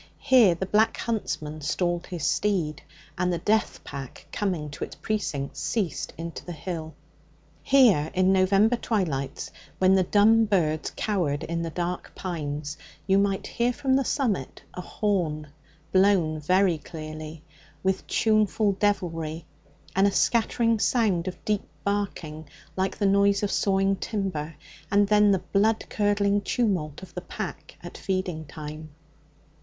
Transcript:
Here the Black Huntsman stalled his steed, and the death pack coming to its precincts, ceased into the hill. Here, in November twilights, when the dumb birds cowered in the dark pines, you might hear from the summit a horn blown very clearly, with tuneful devilry, and a scattered sound of deep barking like the noise of sawing timber, and then the blood curdling tumult of the pack at feeding time.